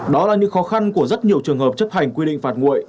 đó là những khó khăn của rất nhiều trường hợp chấp hành quy định phạt nguội